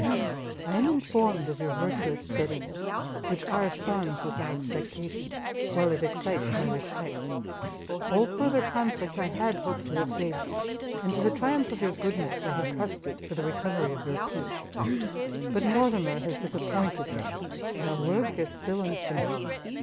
I am informed of your virtuous steadiness, which corresponds with my expectations, while it excites my respect. All further conflict I had hoped to have saved you; and to the triumph of your goodness I had trusted for the recovery of your peace: but Mortimer has disappointed me, and our work is still unfinished.